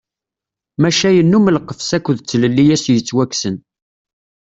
Maca yennum lqefs akked tlelli i as-yettwakksen.